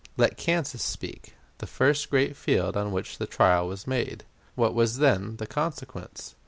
Let Kansas speak the first great field on which the trial was made. What was then the consequence?